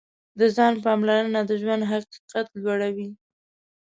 د ځان پاملرنه د ژوند کیفیت لوړوي.